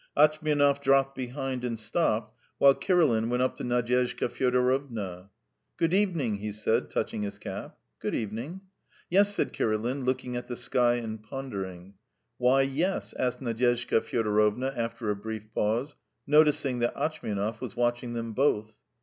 Atchmianov dropped behind and stopped, while Kirilin went up to Nadyezhda Fyodorovna. "Good evening," he said, touching his cap. "Good evening." "Yes!" said Kirilin, looking at the sky and pondering. "Why 'yes'?" asked Nadyezhda Fyodorovna after a brief pause, noticing that Atchmianov was watching them both.